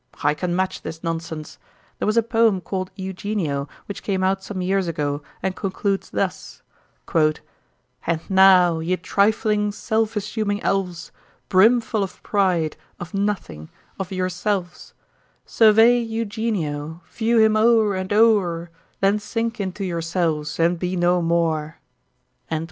'I can match this nonsense. There was a poem called Eugenio, which came out some years ago, and concludes thus: "And now, ye trifling, self assuming elves, Brimful of pride, of nothing, of yourselves, Survey Eugenio, view him o'er and o'er, Then sink into yourselves, and be no more."